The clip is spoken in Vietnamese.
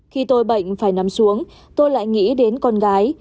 khi tôi bệnh phải nắm xuống tôi lại nghĩ đến con gái